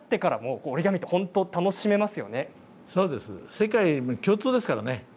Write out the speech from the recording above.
世界共通ですからね。